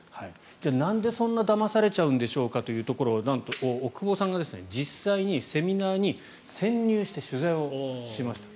じゃあなんでそんなだまされちゃうんですかというところをなんと、奥窪さんが実際にセミナーに潜入して取材をしました。